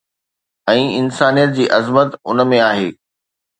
۽ انسانيت جي عظمت ان ۾ آهي